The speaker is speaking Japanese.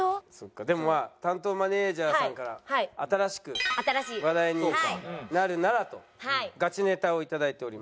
でもまあ担当マネージャーさんから新しく話題になるならとガチネタを頂いております。